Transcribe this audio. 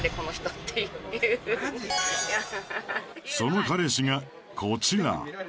その彼氏がこちら